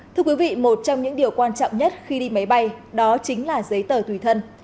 thưa quý vị một trong những điều quan trọng nhất khi đi máy bay đó chính là giấy tờ tùy thân